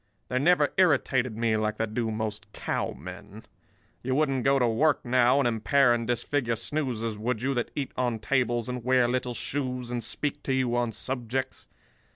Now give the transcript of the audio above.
They never irritated me like they do most cowmen. You wouldn't go to work now, and impair and disfigure snoozers, would you, that eat on tables and wear little shoes and speak to you on subjects?